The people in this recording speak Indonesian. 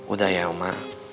udah ya oma